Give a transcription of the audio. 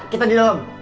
kita di dalam